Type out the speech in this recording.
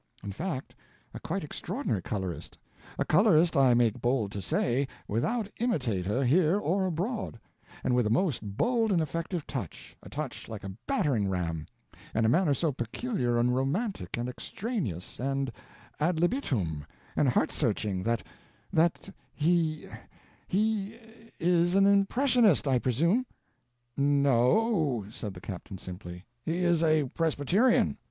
—" —"in fact a quite extraordinary colorist; a colorist, I make bold to say, without imitator here or abroad—and with a most bold and effective touch, a touch like a battering ram; and a manner so peculiar and romantic, and extraneous, and ad libitum, and heart searching, that—that—he—he is an impressionist, I presume?" "No," said the captain simply, "he is a Presbyterian."